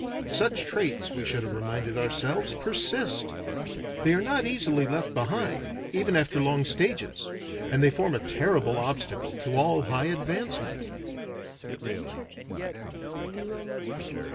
Such traits, we should have reminded ourselves, persist. They are not easily left behind, even after long stages; and they form a terrible obstacle to all high advancement.